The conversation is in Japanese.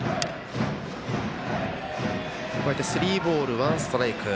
こうやってスリーボール、ワンストライク。